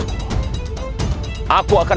aku akan menyebabkan